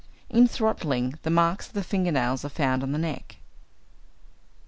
In throttling, the marks of the finger nails are found on the neck.